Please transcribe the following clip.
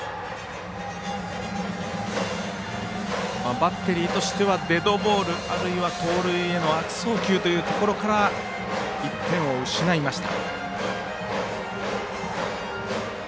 バッテリーとしてはデッドボールあるいは盗塁への悪送球というところから１点を失いました。